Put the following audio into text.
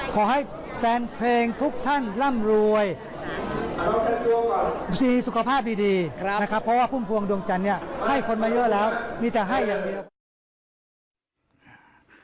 ขอให้แฟนเพลงทุกท่านร่ำรวยชีสุขภาพดีนะครับเพราะว่าพุ่มพวงดวงจันทร์เนี่ยให้คนมาเยอะแล้วมีแต่ให้อย่างเดียว